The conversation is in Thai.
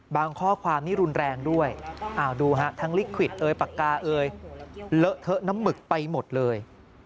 ข้อความนี้รุนแรงด้วยดูฮะทั้งลิขวิดเอ่ยปากกาเอยเลอะเทอะน้ำหมึกไปหมดเลย